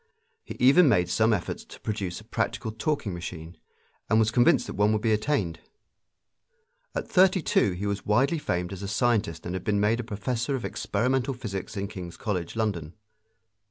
He even made some efforts to produce a practical talking machine, and was convinced that one would be attained. At thirty two he was widely famed as a scientist and had been made a professor of experimental physics in King's College, London.